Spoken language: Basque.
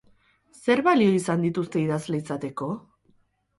Zer balio izan dizute idazle izateko?